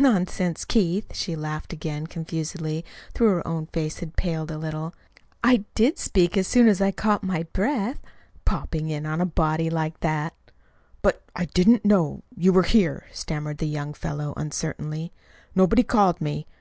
"Nonsense, Keith!" She laughed again confusedly, though her own face had paled a little. "I did speak as soon as I caught my breath; popping in on a body like that!" "But I didn't know you were here," stammered the young fellow uncertainly. "Nobody called me.